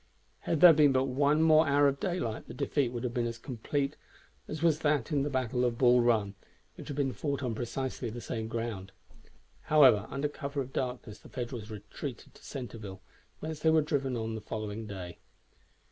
Had there been but one hour more of daylight the defeat would have been as complete as was that in the battle of Bull Run, which had been fought on precisely the same ground. However, under cover of the darkness the Federals retreated to Centreville, whence they were driven on the following day.